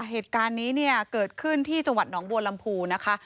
เหตุการณ์นี้เนี่ยเกิดขึ้นที่จังหวัดหนองบัวลำพูนะคะ